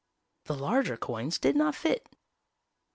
_" The larger coins did not fit.